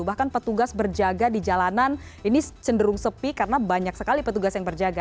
bahkan petugas berjaga di jalanan ini cenderung sepi karena banyak sekali petugas yang berjaga